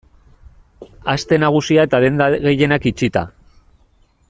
Aste Nagusia eta denda gehienak itxita.